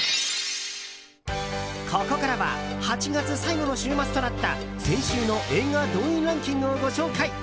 ここからは８月最後の週末となった先週の映画動員ランキングをご紹介。